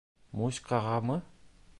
Муськағамы?